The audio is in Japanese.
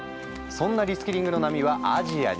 そんなリスキリングの波はアジアにも。